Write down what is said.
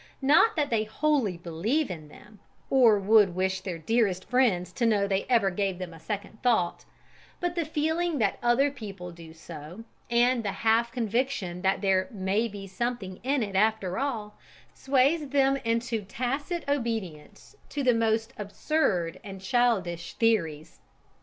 Not that they wholly believe in them or would wish their dearest friends to know they ever gave them a second thought; but the feeling that other people do so and the half conviction that there "may be something in it, after all," sways them into tacit obedience to the most absurd and childish theories.